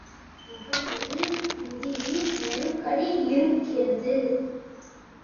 முதலில் நிதி நெருக்கடி இருக்கிறது.